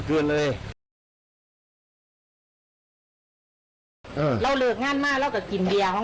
สะพานกันก่อน